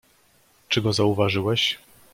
"Czy go zauważyłeś?"